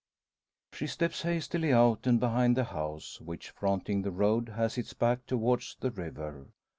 She steps hastily out, and behind the house, which fronting the road, has its back towards the river.